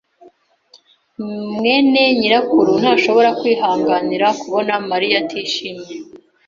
mwene nyirakuru ntashobora kwihanganira kubona Mariya atishimye.